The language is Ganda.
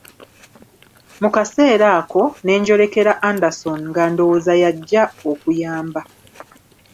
Mu kaseera ako ne njolekera Anderson nga ndowooza y'ajja okuyamba.